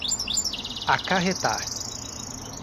acarretar